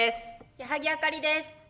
矢作あかりです。